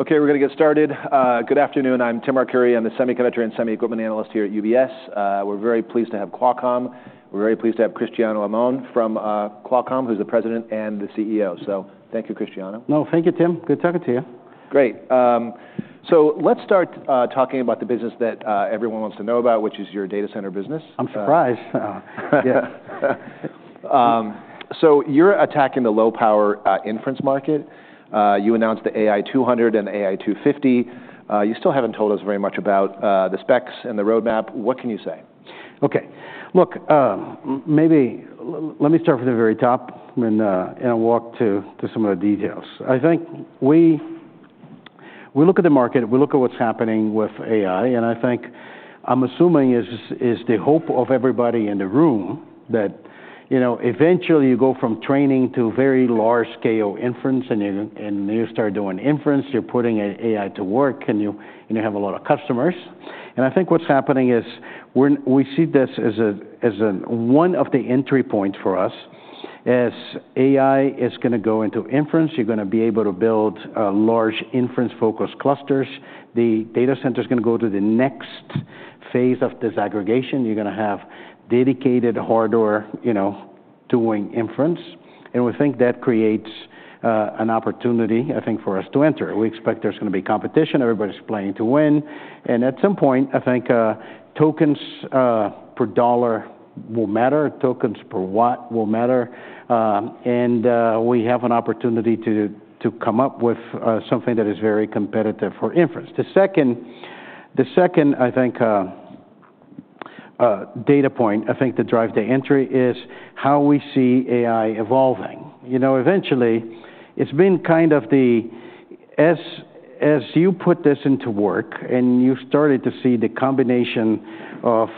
Okay, we're going to get started. Good afternoon. I'm Tim Arcuri. I'm the semiconductor and semi-equipment analyst here at UBS. We're very pleased to have Qualcomm. We're very pleased to have Cristiano Amon from Qualcomm, who's the President and CEO. So thank you, Cristiano. No, thank you, Tim. Good talking to you. Great. So let's start talking about the business that everyone wants to know about, which is your data center business. I'm surprised. So you're attacking the low-power inference market. You announced the AI 200 and the AI 250. You still haven't told us very much about the specs and the roadmap. What can you say? Okay. Look, maybe let me start from the very top and walk through some of the details. I think we look at the market, we look at what's happening with AI, and I think I'm assuming is the hope of everybody in the room that eventually you go from training to very large-scale inference, and you start doing inference, you're putting AI to work, and you have a lot of customers. And I think what's happening is we see this as one of the entry points for us as AI is going to go into inference. You're going to be able to build large inference-focused clusters. The data center is going to go to the next phase of disaggregation. You're going to have dedicated hardware doing inference. And we think that creates an opportunity, I think, for us to enter. We expect there's going to be competition. Everybody's playing to win. And at some point, I think tokens per dollar will matter. Tokens per watt will matter. And we have an opportunity to come up with something that is very competitive for inference. The second, I think, data point, I think, to drive the entry is how we see AI evolving. Eventually, it's been kind of the, as you put this into work and you started to see the combination of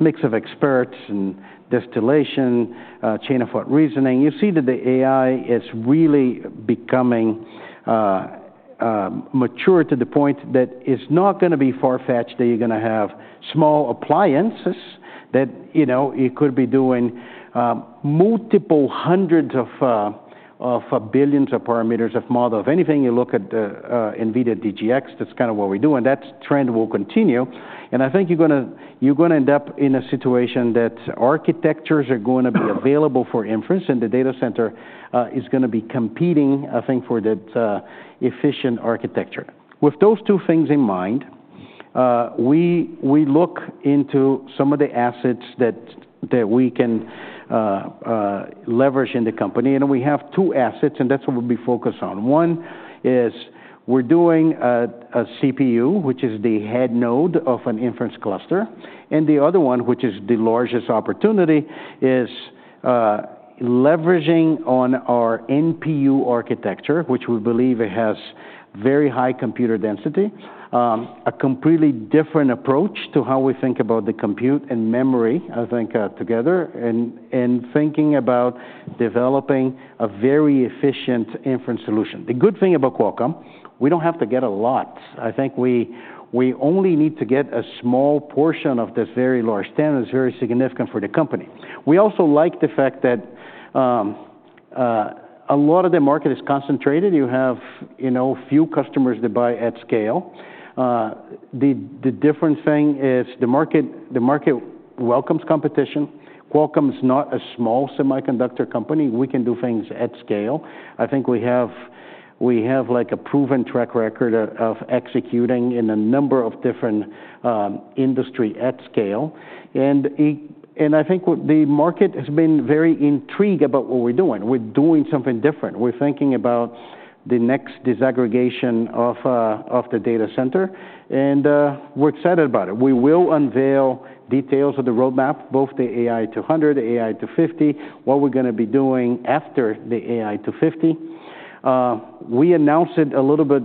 mix of experts and distillation, chain of thought reasoning, you see that the AI is really becoming mature to the point that it's not going to be far-fetched that you're going to have small appliances that you could be doing multiple hundreds of billions of parameters of model. If anything, you look at NVIDIA DGX, that's kind of what we're doing. That trend will continue. And I think you're going to end up in a situation that architectures are going to be available for inference, and the data center is going to be competing, I think, for that efficient architecture. With those two things in mind, we look into some of the assets that we can leverage in the company. And we have two assets, and that's what we'll be focused on. One is we're doing a CPU, which is the head node of an inference cluster. And the other one, which is the largest opportunity, is leveraging on our NPU architecture, which we believe has very high computer density, a completely different approach to how we think about the compute and memory, I think, together, and thinking about developing a very efficient inference solution. The good thing about Qualcomm, we don't have to get a lot. I think we only need to get a small portion of this very large standard. It's very significant for the company. We also like the fact that a lot of the market is concentrated. You have few customers that buy at scale. The different thing is the market welcomes competition. Qualcomm is not a small semiconductor company. We can do things at scale. I think we have a proven track record of executing in a number of different industries at scale, and I think the market has been very intrigued about what we're doing. We're doing something different. We're thinking about the next disaggregation of the data center, and we're excited about it. We will unveil details of the roadmap, both the AI 200, the AI 250, what we're going to be doing after the AI 250. We announced it a little bit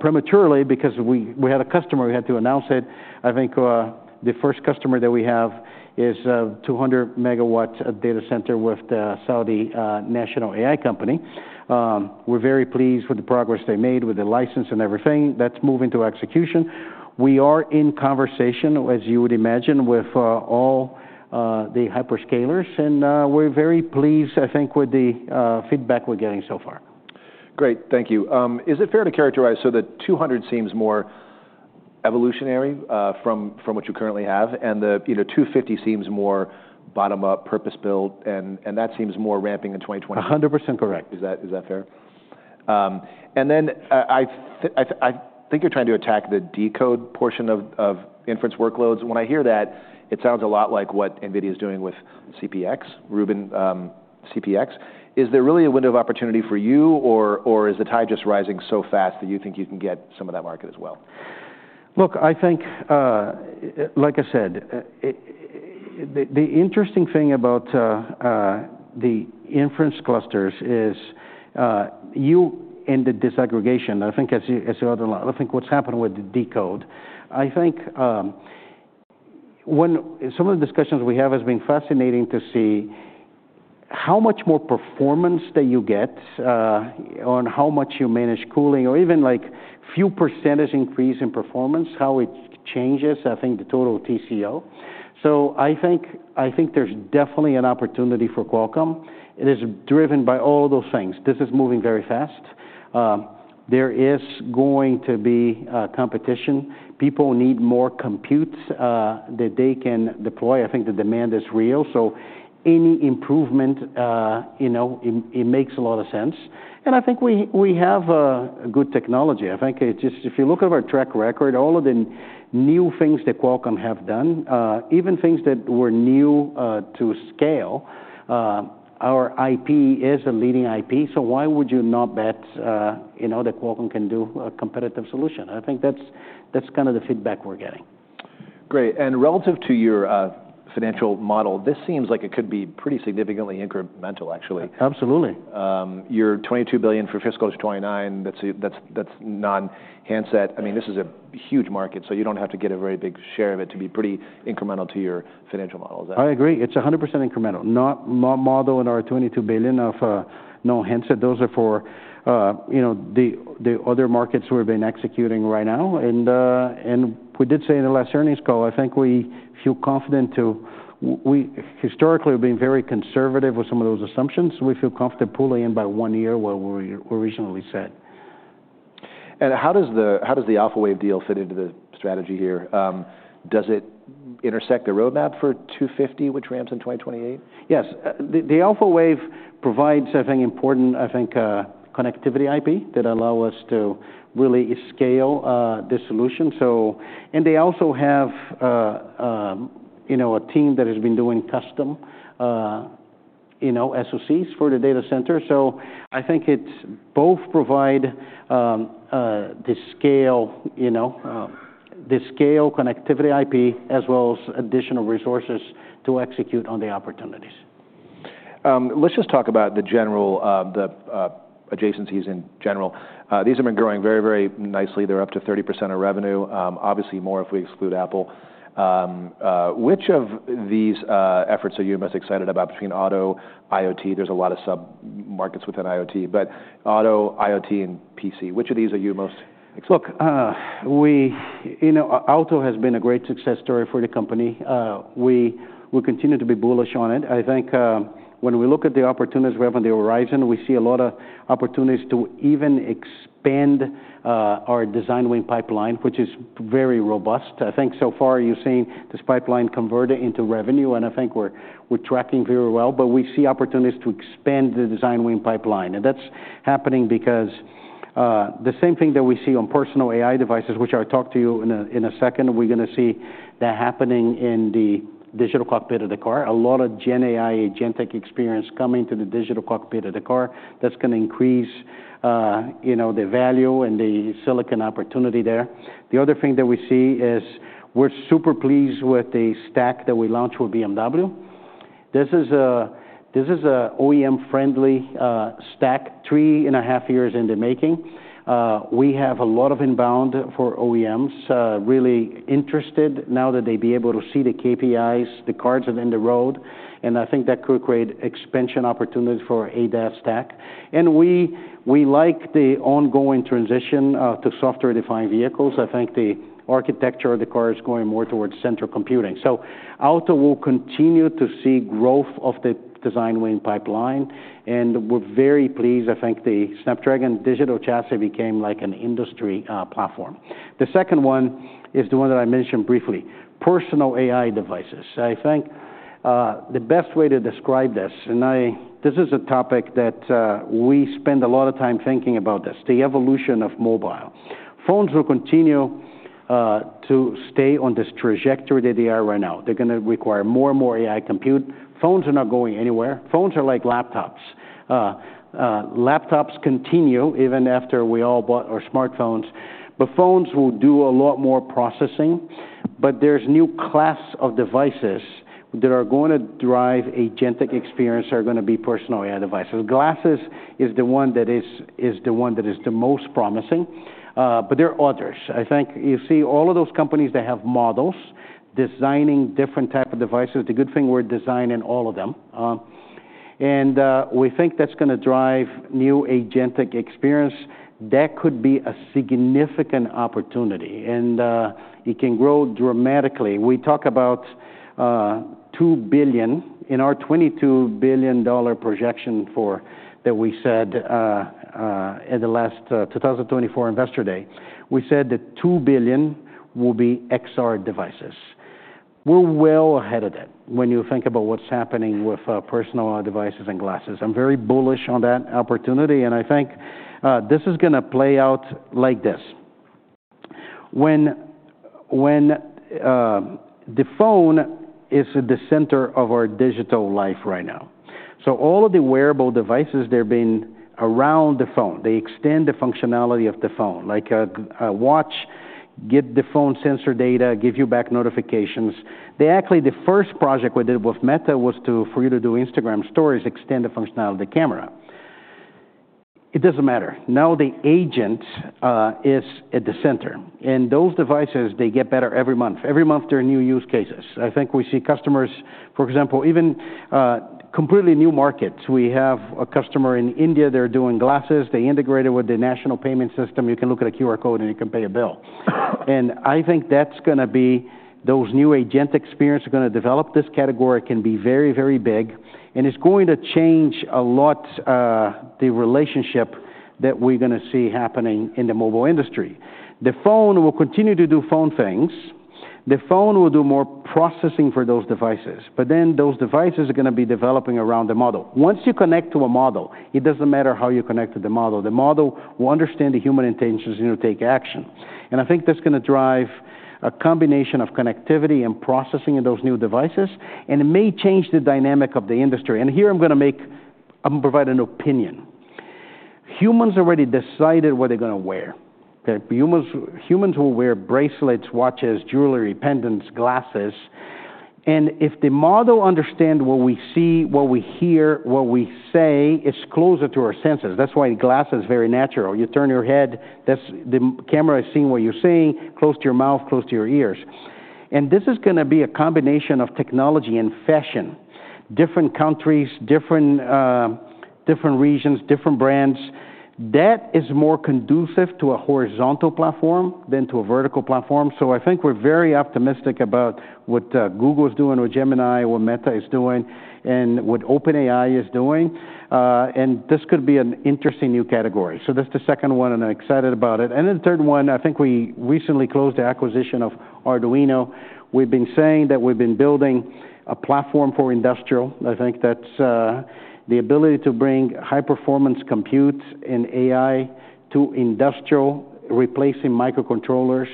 prematurely because we had a customer we had to announce it. I think the first customer that we have is a 200-megawatt data center with Saudi National AI Company. We're very pleased with the progress they made with the license and everything. That's moving to execution. We are in conversation, as you would imagine, with all the hyperscalers, and we're very pleased, I think, with the feedback we're getting so far. Great. Thank you. Is it fair to characterize the AI 200 as more evolutionary from what you currently have, and the AI 250 as more bottom-up, purpose-built, and that seems more ramping in 2020? 100% correct. Is that fair? And then I think you're trying to attack the decode portion of inference workloads. When I hear that, it sounds a lot like what NVIDIA is doing with CPX, Rubin CPX. Is there really a window of opportunity for you, or is the tide just rising so fast that you think you can get some of that market as well? Look, I think, like I said, the interesting thing about the inference clusters is the disaggregation. I think what's happened with the decode, I think some of the discussions we have has been fascinating to see how much more performance that you get on how much you manage cooling or even a few percentage increase in performance, how it changes, I think, the total TCO. So I think there's definitely an opportunity for Qualcomm. It is driven by all of those things. This is moving very fast. There is going to be competition. People need more compute that they can deploy. I think the demand is real. So any improvement, it makes a lot of sense. And I think we have good technology. I think if you look at our track record, all of the new things that Qualcomm have done, even things that were new to scale, our IP is a leading IP. So why would you not bet that Qualcomm can do a competitive solution? I think that's kind of the feedback we're getting. Great. And relative to your financial model, this seems like it could be pretty significantly incremental, actually. Absolutely. Your $22 billion for fiscal '29. That's non-handset. I mean, this is a huge market, so you don't have to get a very big share of it to be pretty incremental to your financial model. I agree. It's 100% incremental. Not modeled in our $22 billion of non-handset. Those are for the other markets we've been executing right now. And we did say in the last earnings call, I think. We feel confident. Historically, we've been very conservative with some of those assumptions. We feel confident pulling in by one year what we originally said. And how does the Alphawave deal fit into the strategy here? Does it intersect the roadmap for 250, which ramps in 2028? Yes. The Alphawave provides, I think, important, I think, connectivity IP that allow us to really scale this solution. And they also have a team that has been doing custom SoCs for the data center. So I think it both provides the scale connectivity IP as well as additional resources to execute on the opportunities. Let's just talk about the adjacencies in general. These have been growing very, very nicely. They're up to 30% of revenue, obviously more if we exclude Apple. Which of these efforts are you most excited about between auto, IoT? There's a lot of sub-markets within IoT, but auto, IoT, and PC. Which of these are you most excited about? Look, auto has been a great success story for the company. We continue to be bullish on it. I think when we look at the opportunities we have on the horizon, we see a lot of opportunities to even expand our design win pipeline, which is very robust. I think so far you're seeing this pipeline converted into revenue, and I think we're tracking very well. But we see opportunities to expand the design win pipeline. And that's happening because the same thing that we see on personal AI devices, which I'll talk to you in a second, we're going to see that happening in the digital cockpit of the car. A lot of Gen AI, Gen Tech experience coming to the digital cockpit of the car. That's going to increase the value and the silicon opportunity there. The other thing that we see is we're super pleased with the stack that we launched with BMW. This is an OEM-friendly stack, three and a half years in the making. We have a lot of inbound for OEMs, really interested now that they'll be able to see the KPIs, the cars are on the road. And I think that could create expansion opportunities for ADAS stack. And we like the ongoing transition to software-defined vehicles. I think the architecture of the car is going more towards central computing. So auto will continue to see growth of the design win pipeline. And we're very pleased. I think the Snapdragon Digital Chassis became like an industry platform. The second one is the one that I mentioned briefly, personal AI devices. I think the best way to describe this, and this is a topic that we spend a lot of time thinking about this, the evolution of mobile. Phones will continue to stay on this trajectory that they are right now. They're going to require more and more AI compute. Phones are not going anywhere. Phones are like laptops. Laptops continue even after we all bought our smartphones. But phones will do a lot more processing. But there's a new class of devices that are going to drive an agentic experience that are going to be personal AI devices. Glasses is the one that is the most promising. But there are others. I think you see all of those companies that have models designing different types of devices. The good thing, we're designing all of them. And we think that's going to drive new agentic experience. That could be a significant opportunity, and it can grow dramatically. We talk about $2 billion. In our $22 billion projection that we said at the last 2024 Investor Day, we said that $2 billion will be XR devices. We're well ahead of that when you think about what's happening with personal devices and glasses. I'm very bullish on that opportunity, and I think this is going to play out like this. When the phone is at the center of our digital life right now, so all of the wearable devices, they're being around the phone. They extend the functionality of the phone, like a watch, get the phone sensor data, give you back notifications. Actually, the first project we did with Meta was for you to do Instagram stories, extend the functionality of the camera. It doesn't matter. Now the agent is at the center. And those devices, they get better every month. Every month, there are new use cases. I think we see customers, for example, even completely new markets. We have a customer in India. They're doing glasses. They integrated with the national payment system. You can look at a QR code, and you can pay a bill. And I think that's going to be those new Agentic experience are going to develop. This category can be very, very big, and it's going to change a lot the relationship that we're going to see happening in the mobile industry. The phone will continue to do phone things. The phone will do more processing for those devices. But then those devices are going to be developing around the model. Once you connect to a model, it doesn't matter how you connect to the model. The model will understand the human intentions and take action. And I think that's going to drive a combination of connectivity and processing in those new devices. And it may change the dynamic of the industry. And here I'm going to provide an opinion. Humans already decided what they're going to wear. Humans will wear bracelets, watches, jewelry, pendants, glasses. And if the model understands what we see, what we hear, what we say, it's closer to our senses. That's why glasses are very natural. You turn your head, the camera is seeing what you're seeing, close to your mouth, close to your ears. And this is going to be a combination of technology and fashion. Different countries, different regions, different brands. That is more conducive to a horizontal platform than to a vertical platform. So I think we're very optimistic about what Google is doing with Gemini, what Meta is doing, and what OpenAI is doing. This could be an interesting new category. That's the second one, and I'm excited about it. The third one, I think we recently closed the acquisition of Arduino. We've been saying that we've been building a platform for industrial. I think that's the ability to bring high-performance compute and AI to industrial, replacing microcontrollers.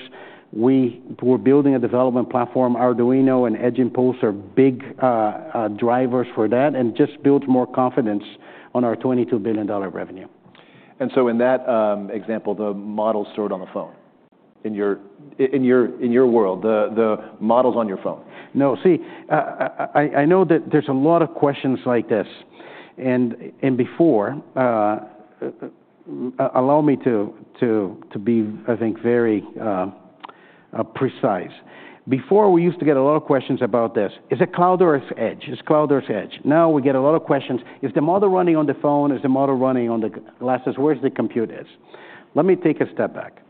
We're building a development platform. Arduino and Edge Impulse are big drivers for that and just build more confidence on our $22 billion revenue. And so in that example, the model's stored on the phone. In your world, the model's on your phone. No. See, I know that there's a lot of questions like this. And before, allow me to be, I think, very precise. Before, we used to get a lot of questions about this. Is it cloud versus edge? Is cloud versus edge? Now we get a lot of questions. Is the model running on the phone? Is the model running on the glasses? Where's the compute edge? Let me take a step back.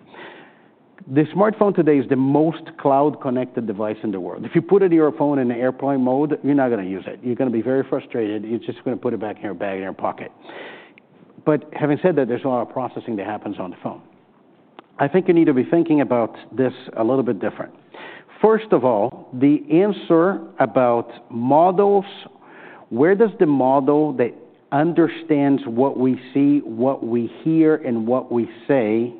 The smartphone today is the most cloud-connected device in the world. If you put your phone in airplane mode, you're not going to use it. You're going to be very frustrated. You're just going to put it back in your bag and your pocket. But having said that, there's a lot of processing that happens on the phone. I think you need to be thinking about this a little bit different. First of all, the answer about models: where does the model that understands what we see, what we hear, and what we say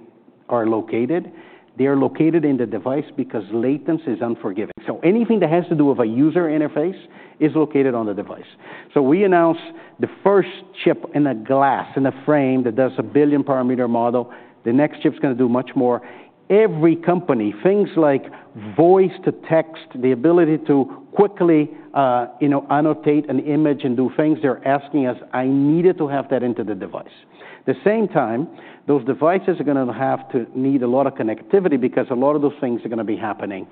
are located? They are located in the device because latency is unforgiving. So anything that has to do with a user interface is located on the device. So we announced the first chip in glasses, in a frame that does a billion-parameter model. The next chip's going to do much more. Every company, things like voice to text, the ability to quickly annotate an image and do things, they're asking us. I needed to have that into the device. At the same time, those devices are going to need a lot of connectivity because a lot of those things are going to be happening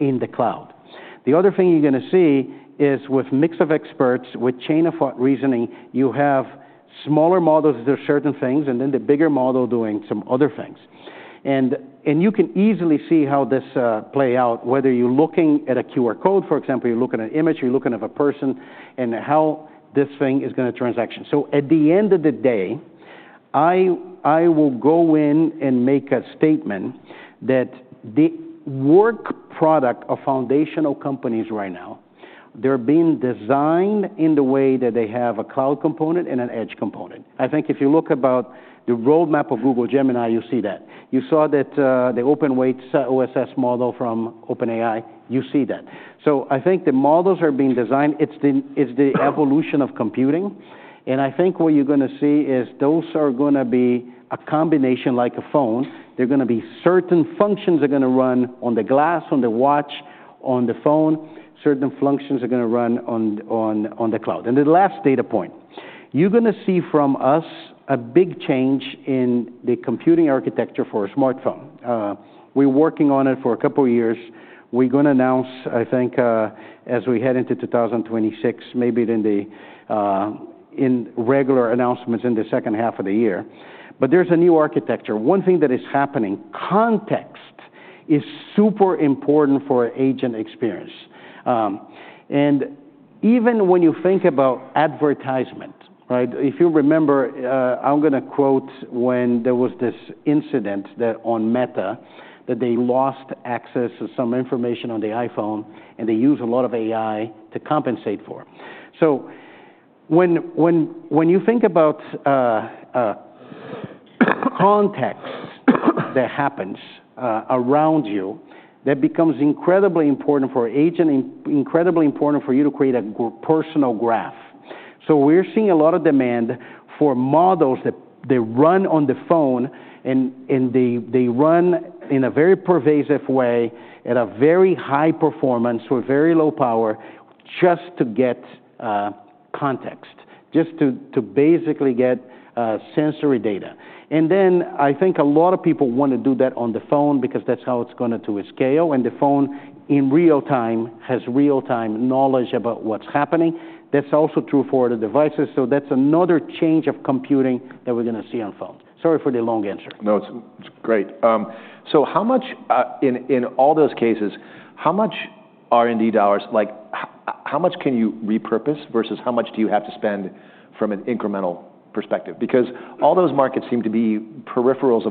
in the cloud. The other thing you're going to see is, with mix of experts, with chain of thought reasoning, you have smaller models that are certain things, and then the bigger model doing some other things, and you can easily see how this plays out, whether you're looking at a QR code, for example, you're looking at an image, you're looking at a person, and how this thing is going to interact. So at the end of the day, I will go in and make a statement that the work product of foundational companies right now, they're being designed in the way that they have a cloud component and an edge component. I think if you look about the roadmap of Google Gemini, you see that. You saw that the open-weight OSS model from OpenAI. You see that. So I think the models are being designed. It's the evolution of computing. I think what you're going to see is those are going to be a combination like a phone. They're going to be certain functions are going to run on the glass, on the watch, on the phone. Certain functions are going to run on the cloud, and the last data point, you're going to see from us a big change in the computing architecture for a smartphone. We're working on it for a couple of years. We're going to announce, I think, as we head into 2026, maybe in regular announcements in the second half of the year, but there's a new architecture. One thing that is happening, context is super important for agentic experience. And even when you think about advertisement, if you remember, I'm going to quote when there was this incident on Meta that they lost access to some information on the iPhone, and they used a lot of AI to compensate for. So when you think about context that happens around you, that becomes incredibly important for agent and incredibly important for you to create a personal graph. So we're seeing a lot of demand for models that run on the phone, and they run in a very pervasive way at a very high performance with very low power just to get context, just to basically get sensory data. And then I think a lot of people want to do that on the phone because that's how it's going to scale. And the phone in real time has real-time knowledge about what's happening. That's also true for the devices. So that's another change of computing that we're going to see on phones. Sorry for the long answer. No, it's great. So in all those cases, how much R&D dollars, how much can you repurpose versus how much do you have to spend from an incremental perspective? Because all those markets seem to be peripherals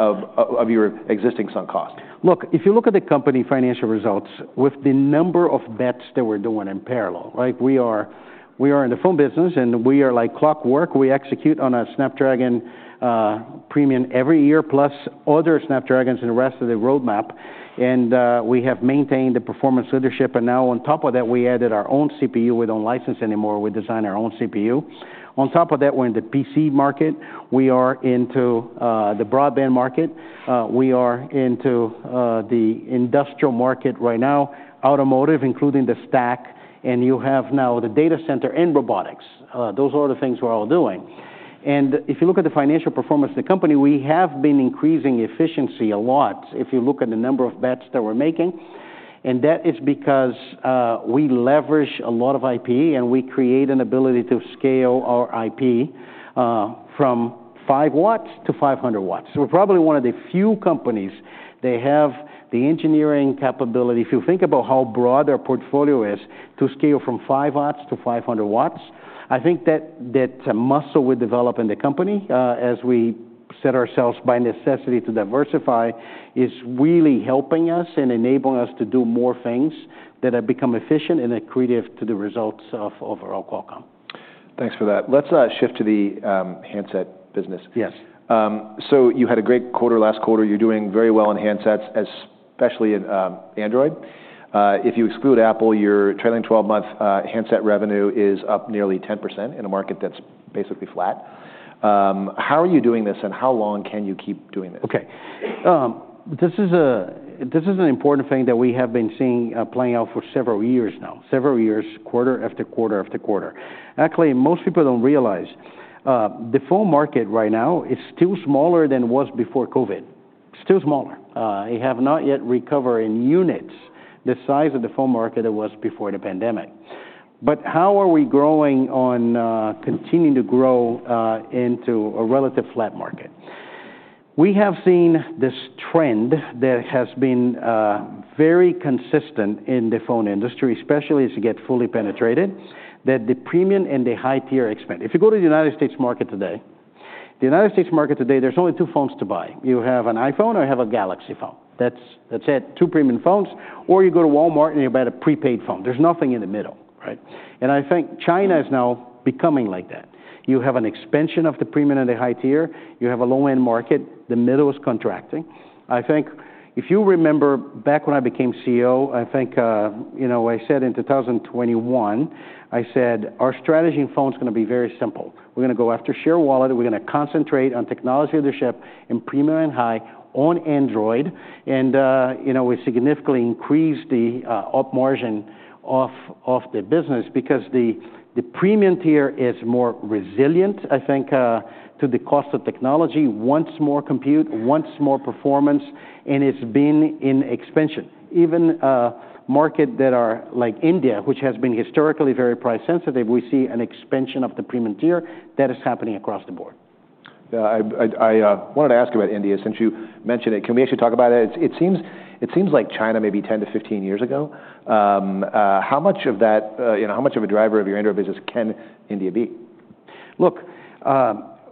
of your existing sunk cost. Look, if you look at the company's financial results with the number of bets that we're doing in parallel, we are in the phone business, and we are like clockwork. We execute on a Snapdragon Premium every year plus other Snapdragons and the rest of the roadmap, and we have maintained the performance leadership, and now on top of that, we added our own CPU. We don't license anymore. We design our own CPU. On top of that, we're in the PC market. We are into the broadband market. We are into the industrial market right now, automotive, including the stack, and you have now the data center and robotics. Those are the things we're all doing, and if you look at the financial performance of the company, we have been increasing efficiency a lot if you look at the number of bets that we're making. That is because we leverage a lot of IP, and we create an ability to scale our IP from five watts to 500 watts. We're probably one of the few companies that have the engineering capability, if you think about how broad their portfolio is, to scale from five watts to 500 watts. I think that muscle we develop in the company as we set ourselves by necessity to diversify is really helping us and enabling us to do more things that have become efficient and accretive to the results of overall Qualcomm. Thanks for that. Let's shift to the handset business. Yes. So you had a great quarter, last quarter. You're doing very well in handsets, especially in Android. If you exclude Apple, your trailing 12-month handset revenue is up nearly 10% in a market that's basically flat. How are you doing this, and how long can you keep doing this? Okay. This is an important thing that we have been seeing playing out for several years now, several years, quarter after quarter after quarter. Actually, most people don't realize the phone market right now is still smaller than it was before COVID. Still smaller. It has not yet recovered in units the size of the phone market it was before the pandemic. But how are we growing on continuing to grow into a relative flat market? We have seen this trend that has been very consistent in the phone industry, especially as you get fully penetrated, that the premium and the high-tier expand. If you go to the United States market today, the United States market today, there's only two phones to buy. You have an iPhone or you have a Galaxy phone. That's it. Two premium phones. Or you go to Walmart and you buy a prepaid phone. There's nothing in the middle. And I think China is now becoming like that. You have an expansion of the premium and the high-tier. You have a low-end market. The middle is contracting. I think if you remember back when I became CEO, I think I said in 2021, I said, our strategy in phone is going to be very simple. We're going to go after share wallet. We're going to concentrate on technology leadership in premium and high on Android. And we significantly increased the up margin of the business because the premium tier is more resilient, I think, to the cost of technology, wants more compute, wants more performance, and it's been in expansion. Even markets that are like India, which has been historically very price sensitive, we see an expansion of the premium tier that is happening across the board. Yeah. I wanted to ask about India. Since you mentioned it, can we actually talk about it? It seems like China maybe 10-15 years ago. How much of that, how much of a driver of your Android business can India be? Look,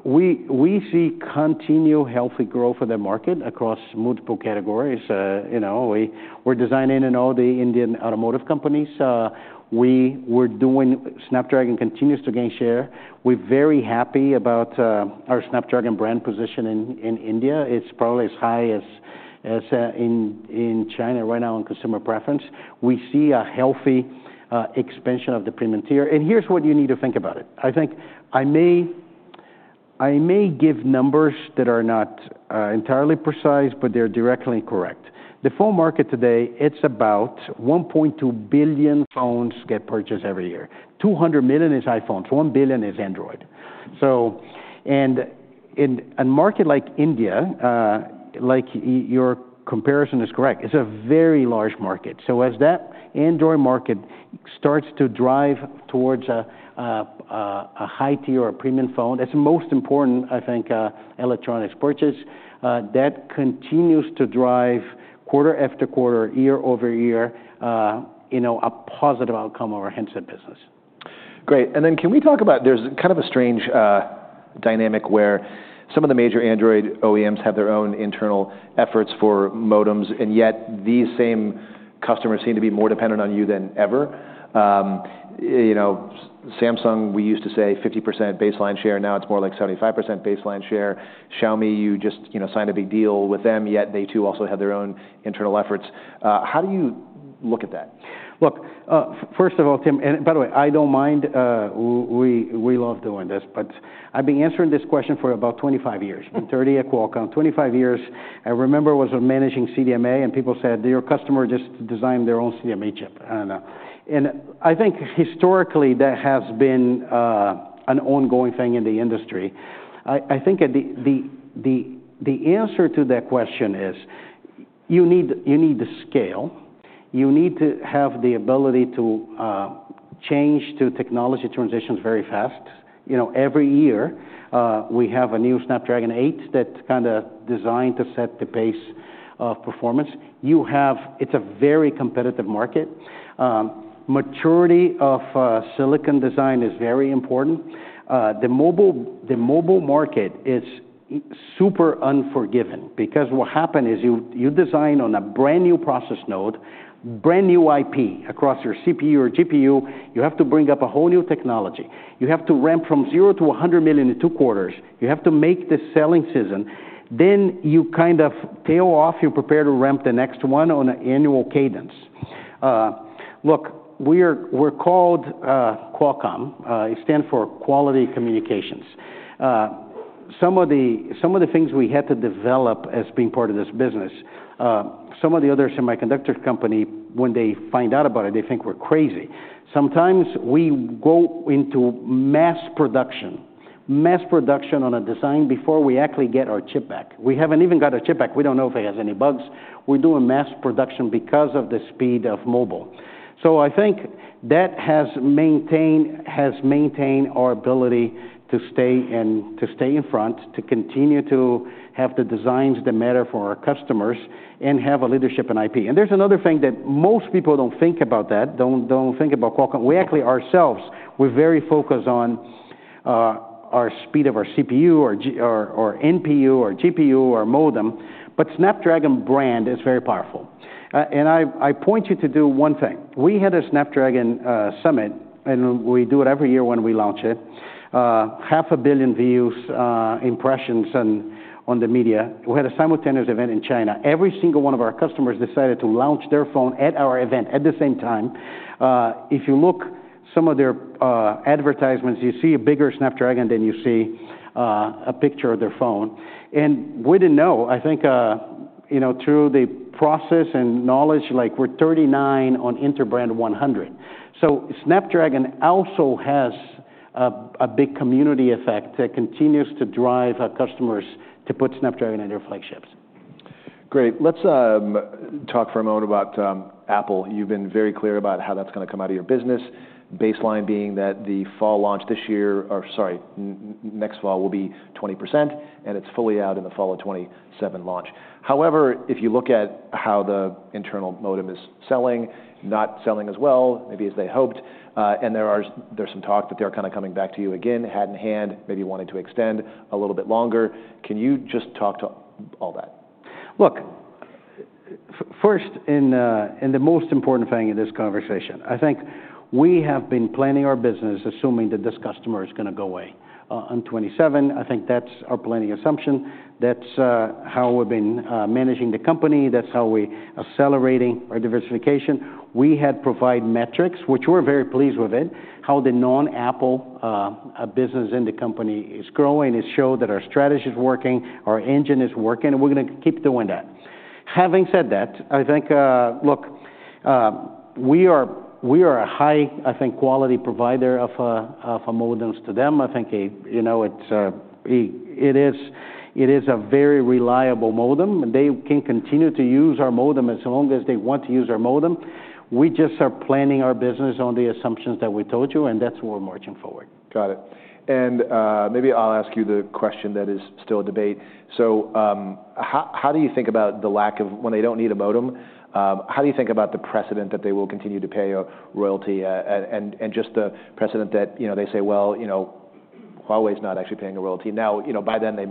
we see continued healthy growth of the market across multiple categories. We're designing in all the Indian automotive companies. Snapdragon continues to gain share. We're very happy about our Snapdragon brand position in India. It's probably as high as in China right now in consumer preference. We see a healthy expansion of the premium tier. And here's what you need to think about it. I may give numbers that are not entirely precise, but they're directly correct. The phone market today, it's about 1.2 billion phones get purchased every year. 200 million is iPhones. One billion is Android. And a market like India, like your comparison is correct, it's a very large market. So as that Android market starts to drive towards a high-tier or a premium phone, it's most important, I think, electronics purchase. That continues to drive quarter after quarter, year over year, a positive outcome of our handset business. Great. And then, can we talk about there's kind of a strange dynamic where some of the major Android OEMs have their own internal efforts for modems, and yet these same customers seem to be more dependent on you than ever. Samsung, we used to say 50% baseline share. Now it's more like 75% baseline share. Xiaomi, you just signed a big deal with them, yet they too also have their own internal efforts. How do you look at that? Look, first of all, Tim, and by the way, I don't mind. We love doing this. But I've been answering this question for about 25 years, 30 at Qualcomm, 25 years. I remember I was managing CDMA, and people said, "your customer just designed their own CDMA chip." And I think historically that has been an ongoing thing in the industry. I think the answer to that question is you need to scale. You need to have the ability to change to technology transitions very fast. Every year we have a new Snapdragon 8 that's kind of designed to set the pace of performance. It's a very competitive market. Maturity of silicon design is very important. The mobile market is super unforgiving. Because what happened is you design on a brand new process node, brand new IP across your CPU or GPU. You have to bring up a whole new technology. You have to ramp from 0 to 100 million in two quarters. You have to make the selling season. Then you kind of tail off. You're prepared to ramp the next one on an annual cadence. Look, we're called Qualcomm. It stands for Quality Communications. Some of the things we had to develop as being part of this business. Some of the other semiconductor companies, when they find out about it, they think we're crazy. Sometimes we go into mass production, mass production on a design before we actually get our chip back. We haven't even got our chip back. We don't know if it has any bugs. We're doing mass production because of the speed of mobile. So I think that has maintained our ability to stay in front, to continue to have the designs that matter for our customers, and have a leadership in IP. And there's another thing that most people don't think about, don't think about Qualcomm. We actually ourselves, we're very focused on our speed of our CPU, our NPU, our GPU, our modem. But Snapdragon brand is very powerful. And I point you to do one thing. We had a Snapdragon Summit, and we do it every year when we launch it, 500 million views, impressions on the media. We had a simultaneous event in China. Every single one of our customers decided to launch their phone at our event at the same time. If you look at some of their advertisements, you see a bigger Snapdragon than you see a picture of their phone. And we didn't know, I think, through the process and knowledge, we're 39 on Interbrand 100. So Snapdragon also has a big community effect that continues to drive our customers to put Snapdragon in their flagships. Great. Let's talk for a moment about Apple. You've been very clear about how that's going to come out of your business, baseline being that the fall launch this year, or sorry, next fall will be 20%, and it's fully out in the fall of 2027 launch. However, if you look at how the internal modem is selling, not selling as well, maybe as they hoped, and there's some talk that they're kind of coming back to you again, hand in hand, maybe wanting to extend a little bit longer. Can you just talk to all that? Look, first and the most important thing in this conversation, I think we have been planning our business assuming that this customer is going to go away in 2027. I think that's our planning assumption. That's how we've been managing the company. That's how we're accelerating our diversification. We had provided metrics, which we're very pleased with it, how the non-Apple business in the company is growing. It showed that our strategy is working, our engine is working, and we're going to keep doing that. Having said that, I think, look, we are a high, I think, quality provider of modems to them. I think it is a very reliable modem. They can continue to use our modem as long as they want to use our modem. We just are planning our business on the assumptions that we told you, and that's what we're marching forward. Got it. And maybe I'll ask you the question that is still a debate. So how do you think about the lack of, when they don't need a modem, how do you think about the precedent that they will continue to pay a royalty and just the precedent that they say, well, Huawei's not actually paying a royalty? Now, by then they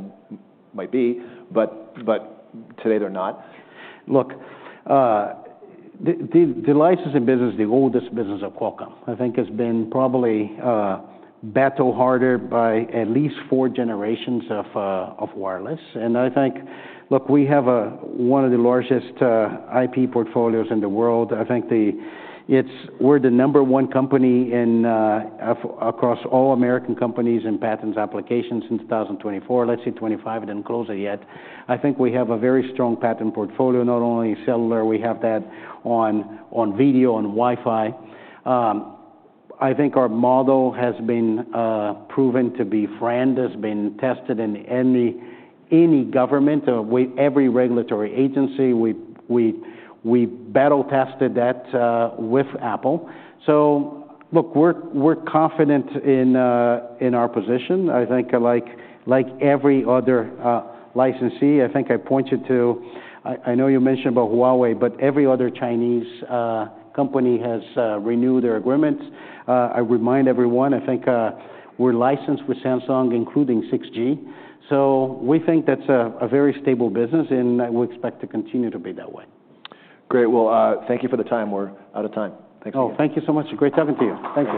might be, but today they're not. Look, the licensing business, the oldest business of Qualcomm, I think has been probably battled harder by at least four generations of wireless. And I think, look, we have one of the largest IP portfolios in the world. I think we're the number one company across all American companies in patent applications since 2024. Let's see, 2025, it didn't close it yet. I think we have a very strong patent portfolio, not only cellular. We have that on video and Wi-Fi. I think our model has been proven to be fair, has been tested in any government, every regulatory agency. We battle tested that with Apple. So look, we're confident in our position. I think like every other licensee, I think I point you to, I know you mentioned about Huawei, but every other Chinese company has renewed their agreements. I remind everyone, I think we're licensed with Samsung, including 6G, so we think that's a very stable business, and we expect to continue to be that way. Great. Well, thank you for the time. We're out of time. Thanks again. Oh, thank you so much. Great talking to you. Thanks.